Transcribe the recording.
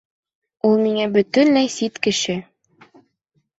Ул миңә бәтөнләй сит кеше